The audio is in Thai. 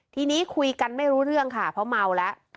ทีนี้คุยกันไม่รู้เรื่องค่ะเพราะเมาแล้ว